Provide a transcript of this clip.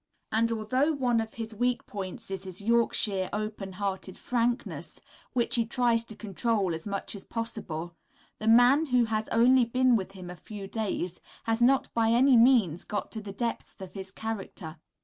And although one of his weak points is his Yorkshire open hearted frankness, which he tries to control as much as possible, the man who has only been with him a few days has not by any means got to the depths of his character.